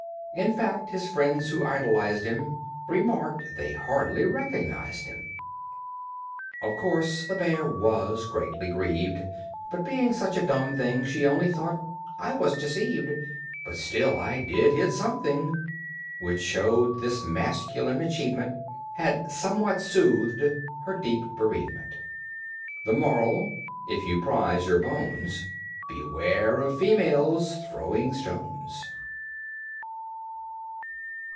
In fact, his friends who idolized him Remarked they hardly recognized him. Of course the bear was greatly grieved, But, being just a dumb thing, She only thought: "I was deceived, But still, I did hit something!" Which showed this masculine achievement Had somewhat soothed her deep bereavement. THE MORAL: If you prize your bones Beware of females throwing stones.